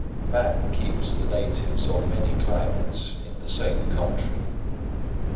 Man keeps the natives of many climates in the same country.